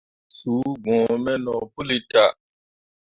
Suu gbǝ̃ǝ̃ me no puli tah.